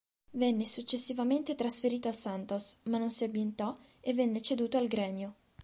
Venne successivamente trasferito al Santos, ma non si ambientò e venne ceduto al Grêmio.